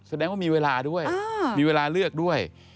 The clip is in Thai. แสดงว่ามีเวลาเลือกด้วย